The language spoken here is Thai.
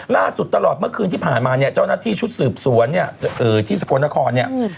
ล่าสุดตลอดเมื่อคืนที่ผ่านมาเจ้านักที่ชุดสืบสวนที่สกลนคร